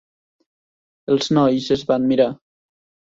Els nois es van mirar.